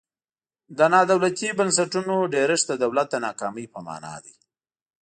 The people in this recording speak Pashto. د نا دولتي بنسټونو ډیرښت د دولت د ناکامۍ په مانا دی.